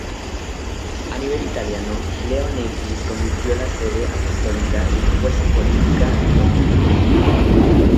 A nivel italiano, León X convirtió la Sede Apostólica en la fuerza política dominante.